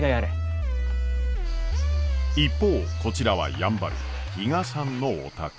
一方こちらはやんばる比嘉さんのお宅。